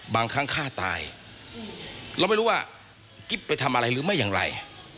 บางครั้งฆ่าตายเราไม่รู้ว่ากิ๊บไปทำอะไรหรือไม่อย่างไร